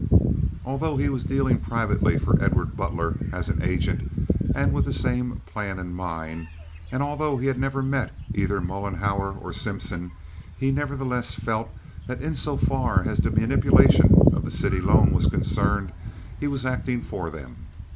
Although he was dealing privately for Edward Butler as an agent, and with this same plan in mind, and although he had never met either Mollenhauer or Simpson, he nevertheless felt that in so far as the manipulation of the city loan was concerned he was acting for them.